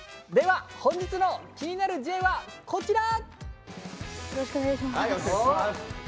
では本日の気になるＪはこちら！